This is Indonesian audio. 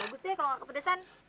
bagus deh kalau gak kepedesan